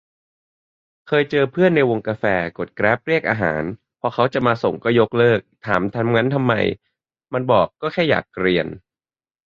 เคยเจอเพื่อนในวงกาแฟกดแกร็ปเรียกอาหารพอเค้าจะมาส่งก็ยกเลิก ถามทำงั้นทำไม มันบอกก็แค่อยากเกรียน